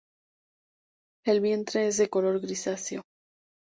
El vientre es de color grisáceo.